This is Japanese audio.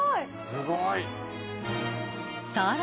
すごい。